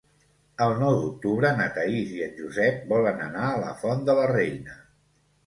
El nou d'octubre na Thaís i en Josep volen anar a la Font de la Reina.